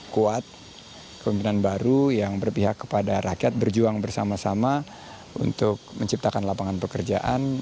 kuat kemimpinan baru yang berpihak kepada rakyat berjuang bersama sama untuk menciptakan lapangan pekerjaan